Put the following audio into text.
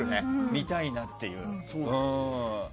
見たいなっていう。